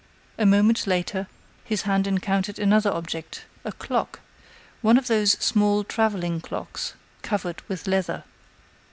A moment later, his hand encountered another object: a clock one of those small traveling clocks, covered with leather.